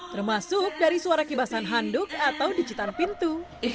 termasuk dari suara kibasan handuk atau dicitan pintu